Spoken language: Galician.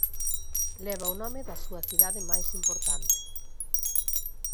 Leva o nome da súa cidade máis importante.